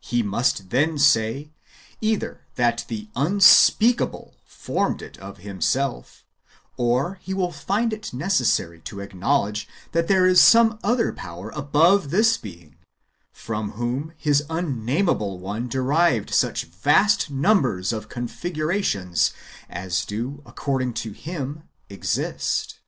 He must then say, either that the Unspeakable formed it of him self, or he will find it necessary to acknowledge that there is some other power above this being, from whom his unname able One derived such vast numbers of configurations as do, according to him, exist.